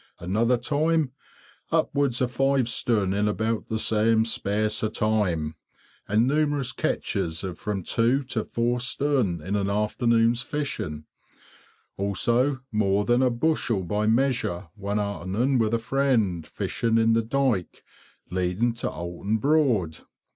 another time upwards of five stone in about the same space of time, and numerous catches of from two to four stone in an afternoon's fishing; also more than a bushel by measure one afternoon with a friend fishing in the dyke leading to Oulton Broad.